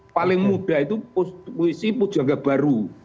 paling muda itu puisi pujangga baru